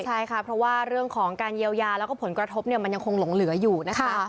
ใช่ค่ะเพราะว่าเรื่องของการเยียวยาแล้วก็ผลกระทบมันยังคงหลงเหลืออยู่นะคะ